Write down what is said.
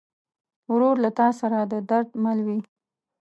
ورور له تا سره د درد مل وي.